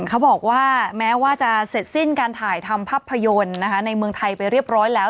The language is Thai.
เขาบอกว่าแม้ว่าจะเสร็จสิ้นการถ่ายทำภาพยนตร์ในเมืองไทยไปเรียบร้อยแล้ว